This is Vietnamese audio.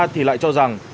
thì lại cho rằng